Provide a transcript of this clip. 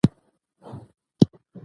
که لمر هر څومره ځان وسوزوي هم،